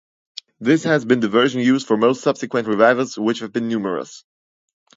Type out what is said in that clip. This has been the version used for most subsequent revivals, which have been numerous.